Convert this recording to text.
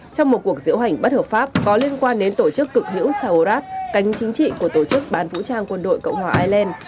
trong một cuộc diễu hành bất hợp pháp có liên quan đến tổ chức cực hữu sao cánh chính trị của tổ chức bán vũ trang quân đội cộng hòa ireland